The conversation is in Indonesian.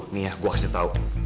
nih ya gue kasih tau